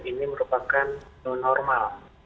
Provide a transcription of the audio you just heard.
ini merupakan nonormal